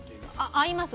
合います？